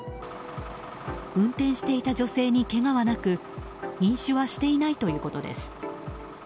運転していた女性にけがはなく飲酒はしていないということです。